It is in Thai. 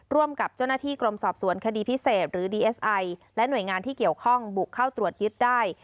ร่วมกับเจ้าหน้าที่กรมสอบสวนคดีพิเศษหรือดีเอสไอและหน่วยงานที่เกี่ยวข้องบุกเข้าตรวจยึดได้